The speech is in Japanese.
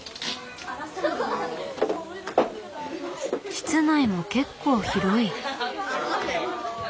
室内も結構広い。